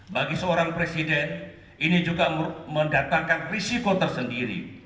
bagi seorang presiden ini juga mendatangkan risiko tersendiri